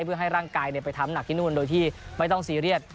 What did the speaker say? เพื่อให้ร่างกายไปทำหนักที่นู่นโดยที่ไม่ต้องซีเรียส